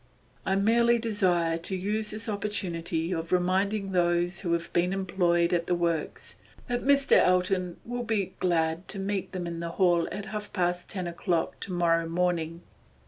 'I merely desire to use this opportunity of reminding those who have been employed at the works that Mr. Eldon will be glad to meet them in this hall at half past ten o'clock to morrow morning.